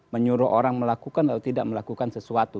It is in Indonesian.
menyuruh orang melakukan atau tidak melakukan sesuatu